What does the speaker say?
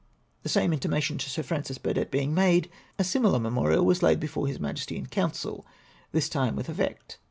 The same intimation to Sir Francis Burdett being made, a similar memorial Avas laid before His Majesty in Council ; this time with effect.